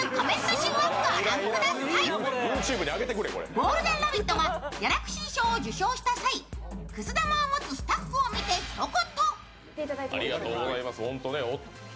「ゴールデンラヴィット！」がギャラクシー賞を受賞した際、くす玉を持つスタッフを見てひと言。